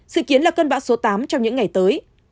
sự kiến là cơn bão số tám trong những ngày tới